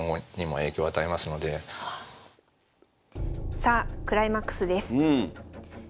さあクライマックスです。